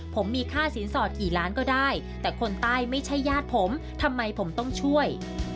ผมมีค่าสินสอดกี่ล้านก็ได้แต่คนใต้ไม่ใช่ญาติผมทำไมผมต้องช่วย